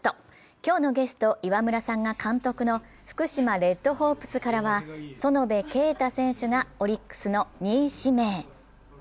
今日のゲスト・岩村さんが監督の福島レッドホープスからは園部佳太選手がオリックスの２位指名。